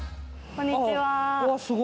こんにちは。